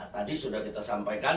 tadi sudah kita sampaikan